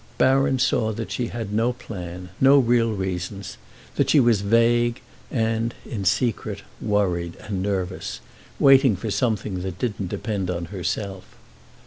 Baron saw that she had no plan, no real reasons, that she was vague and, in secret, worried and nervous, waiting for something that didn't depend on herself.